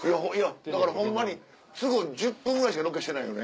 だからホンマに１０分ぐらいしかロケしてないよね。